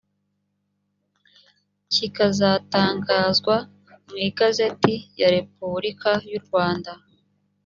kikazatangazwa mu igazeti ya repubulika y’u rwanda